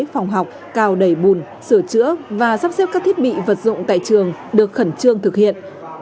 phòng học cao đầy bùn sửa chữa và sắp xếp các thiết bị vật dụng tại trường được khẩn trương thực hiện